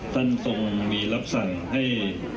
ท่านทรงมีรับสั่งให้